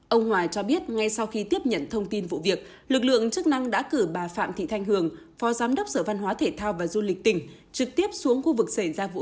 ông hòa cho biết ngay sau khi tiếp nhận thông tin vụ việc lực lượng chức năng đã cử bà phạm thị thanh hường